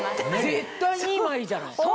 絶対２枚じゃない！